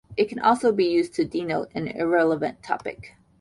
It can also be used to denote an irrelevant topic.